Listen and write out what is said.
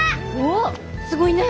おっすごいね。